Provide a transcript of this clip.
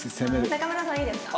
中村さんいいですか？